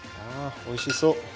あおいしそう。